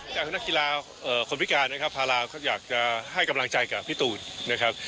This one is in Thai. ดังกับนักกีฬาผู้ปริกรหากลักษณะกำลังใจกับพี่ตูน